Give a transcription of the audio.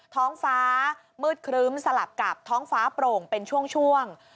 ท้องฟ้ามืดครึ้มสลับกับท้องฟ้าโปร่งเป็นช่วง